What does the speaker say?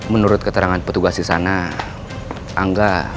menurut keterangan petugas kesana